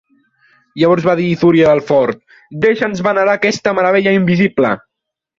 Llavors va dir Ithuriel el fort; deixa'ns venerar aquesta meravella invisible!